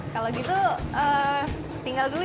kalau gitu tinggal dulu